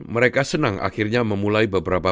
mereka senang akhirnya memulai beberapa